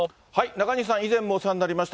中西さん、以前もお世話になりました。